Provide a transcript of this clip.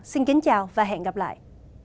xin kính chào và hẹn gặp lại